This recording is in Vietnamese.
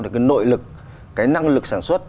cái nội lực cái năng lực sản xuất